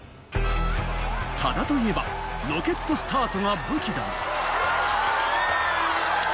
多田といえばロケットスタートが武器。